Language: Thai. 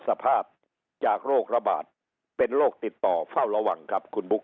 สภาพจากโรคระบาดเป็นโรคติดต่อเฝ้าระวังครับคุณบุ๊ค